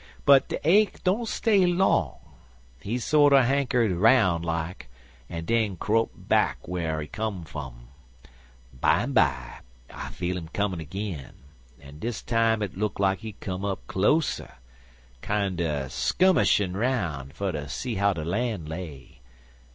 But de ache don't stay long. He sorter hankered 'roun' like, en den crope back whar he come fum. Bimeby I feel 'im comin' agin, an' dis time hit look like he come up closer kinder skummishin' 'roun' fer ter see how de lan' lay.